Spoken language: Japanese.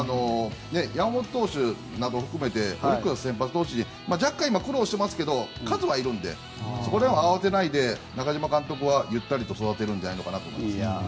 山本投手などを含めてオリックスは先発投手陣若干、苦労していますけど数はいるので慌てないで中島監督はゆったり育てるんじゃないかと。